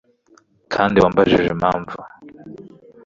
Kandi wambajije impamvu